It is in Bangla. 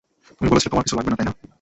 তুমি বলেছিলে তোমার কিছু লাগবে, তাই না?